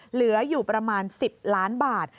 เหลืออยู่ประมาณ๑๐ล้านบาท